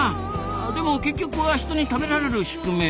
でも結局は人に食べられる宿命なんですよね？